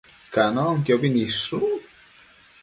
Canonquiobi nidshun